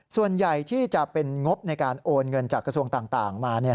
ส่วนใหญ่ที่จะเป็นงบในการโอนเงินจากกระทรวงต่างมา